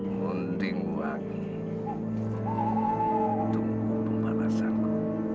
munding wangi tunggu pembalasanku